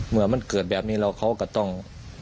เมื่อมันเกิดแบบนี้แล้วเขาก็ต้อง